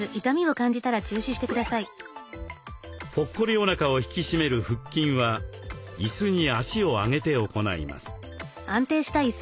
ぽっこりおなかを引き締める腹筋はいすに足を上げて行います。